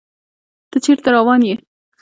تۀ چېرته روان يې ؟